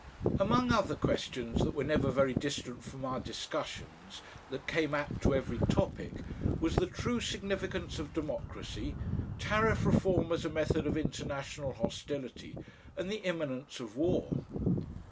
Among other questions that were never very distant from our discussions, that came apt to every topic, was the true significance of democracy, Tariff Reform as a method of international hostility, and the imminence of war.